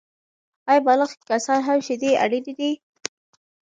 آیا بالغ کسان هم شیدې اړینې دي؟